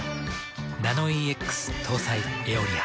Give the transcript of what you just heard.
ナノイーＸ搭載「エオリア」。